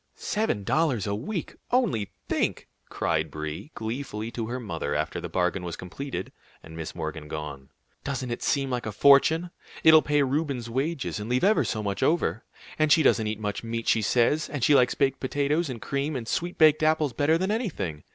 "Seven dollars a week; only think!" cried Brie, gleefully, to her mother after the bargain was completed, and Miss Morgan gone. "Doesn't it seem like a fortune? It'll pay Reuben's wages, and leave ever so much over! And she doesn't eat much meat, she says, and she likes baked potatoes and cream and sweet baked apples better than anything.